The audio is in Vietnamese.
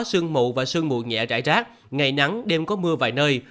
sương mù và sương mù nhẹ rải rác ngày nắng đêm có mưa vài nơi